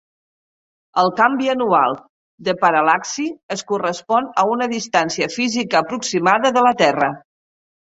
El canvi anual de paral·laxi es correspon a una distància física aproximada de la Terra.